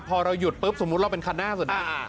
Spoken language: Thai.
พอเราหยุดปุ๊บสมมุติเราเป็นคันหน้าสุด